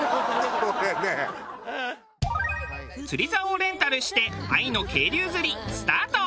釣りざおをレンタルして愛の渓流釣りスタート。